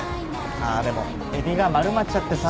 ああでもエビが丸まっちゃってさ。